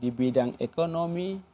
di bidang ekonomi